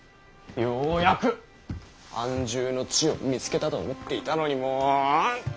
ようやく安住の地を見つけたと思っていたのにもう。